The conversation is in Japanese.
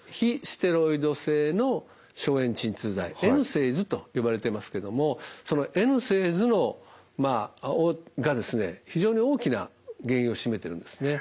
ステロイド性の消炎鎮痛剤ＮＳＡＩＤｓと呼ばれていますけどもそのＮＳＡＩＤｓが非常に大きな原因を占めてるんですね。